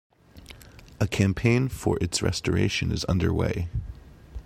A campaign for its restoration is underway.